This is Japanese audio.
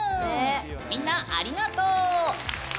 みんなありがとう！